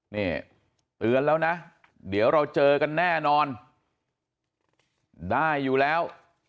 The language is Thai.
นี่เตือนแล้วนะเดี๋ยวเราเจอกันแน่นอนได้อยู่แล้ว